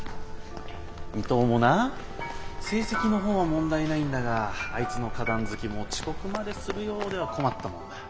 伊藤もな成績の方は問題ないんだがあいつの花壇好きも遅刻までするようでは困ったもんだ。